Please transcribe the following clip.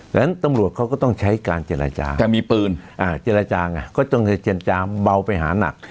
ฉะนั้นตำรวจเขาก็ต้องใช้การเจรจาแต่มีปืนเจรจาไงก็ต้องเจรจาเบาไปหานัก